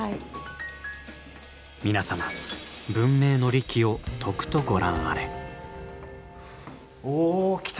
皆様文明の利器をとくとご覧あれ。